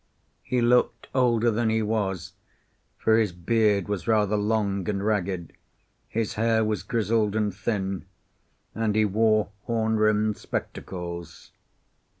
He looked older than he was, for his beard was rather long and ragged, his hair was grizzled and thin, and he wore horn rimmed spectacles.